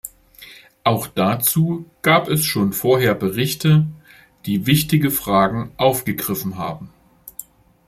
Auch dazu gab es schon vorher Berichte, die wichtige Fragen aufgegriffen haben.